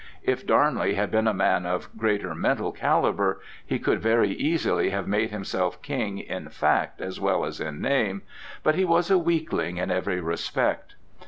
If Darnley had been a man of greater mental calibre he could very easily have made himself king in fact as well as in name; but he was a weakling in every respect.